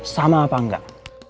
sama apa enggak